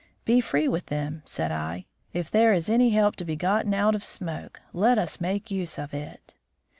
"Be free with them," said I. "If there is any help to be got out of smoke let us make use of it."